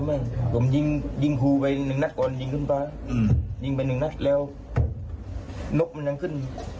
ผมยิงหูไป๑นัดยิงขึ้นไป๑นัดแล้วนกมันกันขึ้น